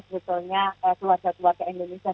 sebetulnya keluarga keluarga indonesia